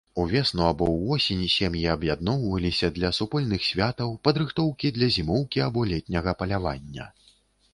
Увесну або ўвосень сем'і аб'ядноўваліся для супольных святаў, падрыхтоўкі для зімоўкі або летняга палявання.